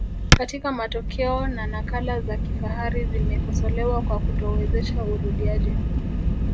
katika matokeo na nakala za kifahari zimekosolewa kwa kutowezesha urudiaji